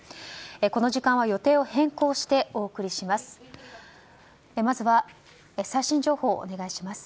この時間は予定を変更してお送りします。